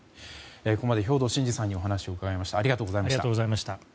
ここまで兵頭慎治さんにお話を伺いました。